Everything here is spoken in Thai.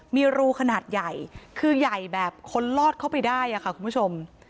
มีรูขนาดใหญ่คือใหญ่แบบคนลอดเข้าไปได้ค่ะคุณผู้ชม